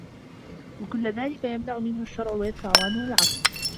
وَكُلُّ ذَلِكَ يَمْنَعُ مِنْهُ الشَّرْعُ وَيَدْفَعُ عَنْهُ الْعَقْلُ